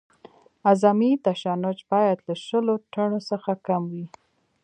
اعظمي تشنج باید له شلو ټنو څخه کم وي